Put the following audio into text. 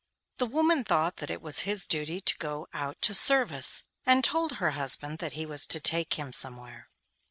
The woman thought that it was his duty to go out to service, and told her husband that he was to take him somewhere.